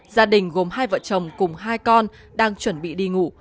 gia đình gồm hai vợ chồng cùng hai con đang chuẩn bị đi ngủ